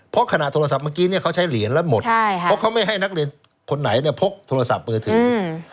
เพราะขณะโทรศัพท์เมื่อกี้เนี่ยเขาใช้เหรียญแล้วหมดเพราะเขาไม่ให้นักเรียนคนไหนเนี่ยพกโทรศัพท์มือถือ